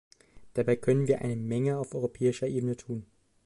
Dabei können wir eine Menge auf europäischer Ebene tun.